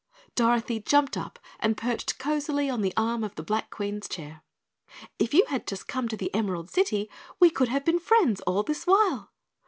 Dorothy jumped up and perched cozily on the arm of the Black Queen's chair. "If you had just come to the Emerald City, we could have been friends all this while."